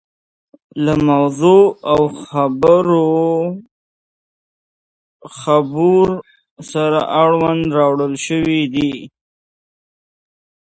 له موضوع او خبور سره اړوند راوړل شوي دي.